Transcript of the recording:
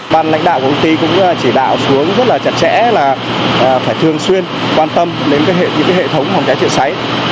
ban lãnh đạo của công ty cũng chỉ đạo xuống rất là chặt chẽ là phải thường xuyên quan tâm đến hệ thống phòng cháy chữa cháy